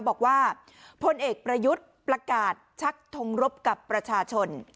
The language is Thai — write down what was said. บอกว่าพลเอกประยุทธ์ประกาศชักทงรบกับประชาชน